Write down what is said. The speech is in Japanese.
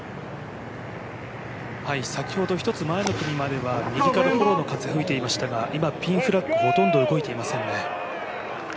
先ほど１つ前の組までは、右からフォローの風が吹いていましたが今、ピンフラッグほとんど動いていませんね。